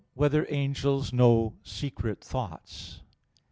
4] Whether Angels Know Secret Thoughts?